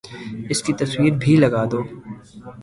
اس کی تصویر بھی لگا دو